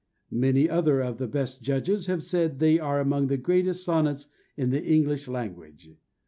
Many other of the best judges have said they are among the greatest sonnets in the English language.